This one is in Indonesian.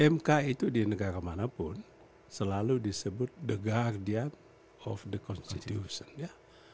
mk itu di negara manapun selalu disebut the guardian of the constitution ya